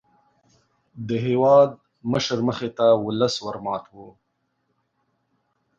د هېوادمشر مخې ته ولس ور مات وو.